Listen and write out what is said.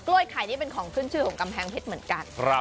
ไข่นี่เป็นของขึ้นชื่อของกำแพงเพชรเหมือนกัน